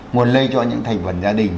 nguồn lây cho những thành phần gia đình